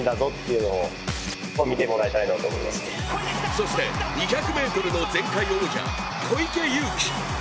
そして２００ｍの前回王者、小池祐貴。